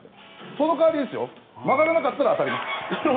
その代わり、曲がらなかったら当たります。